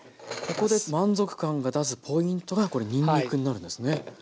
ここで満足感を出すポイントがこれにんにくになるんですね。